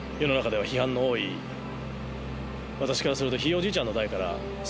私からすると。